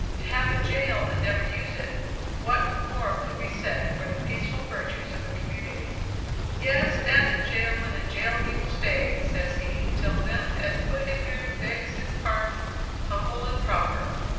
To have a jail and never use it! What more could be said for the peaceful virtues of a community? "Yes. Dad's in jail and in jail he will stay, says he, till them as put him there begs his pardon humble and proper."